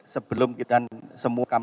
sebelum kita semua